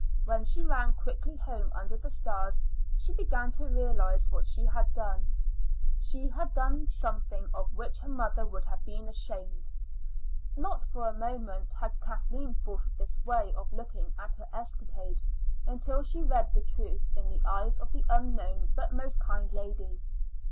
When she ran quickly home under the stars she began to realize what she had done She had done something of which her mother would have been ashamed. Not for a moment had Kathleen thought of this way of looking at her escapade until she read the truth in the eyes of the unknown but most kind lady.